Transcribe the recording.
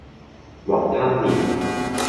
雲吞麪